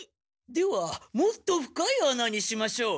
ではもっと深いあなにしましょう。